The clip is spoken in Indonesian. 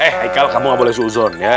eh aikal kamu gak boleh suzon ya